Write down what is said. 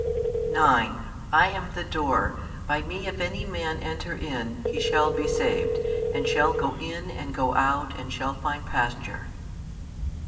9 I am the Door: by Me if any man enter in, he shall be saved, and shall go in and go out, and shall find pasture.